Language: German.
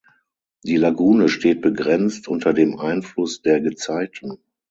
Die Lagune steht begrenzt unter dem Einfluss der Gezeiten.